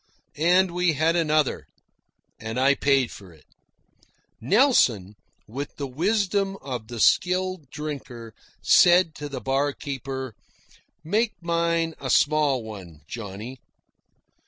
And we had another, and I paid for it. Nelson, with the wisdom of the skilled drinker, said to the barkeeper, "Make mine a small one, Johnny."